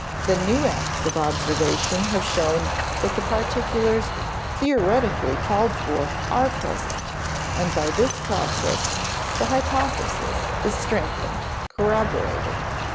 Then new acts of observation have shown that the particulars theoretically called for are present, and by this process the hypothesis is strengthened, corroborated.